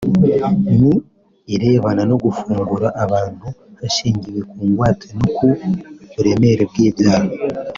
ni irebana no gufungura abantu hashingiwe ku ngwate no ku buremere bw’ibyaha